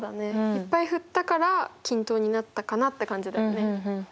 いっぱい振ったから均等になったかなって感じだよね。